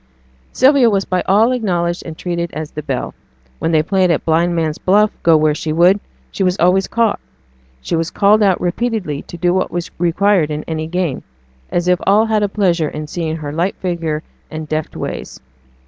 Sylvia was by all acknowledged and treated as the belle. When they played at blind man's buff go where she would, she was always caught; she was called out repeatedly to do what was required in any game, as if all had a pleasure in seeing her light figure and deft ways.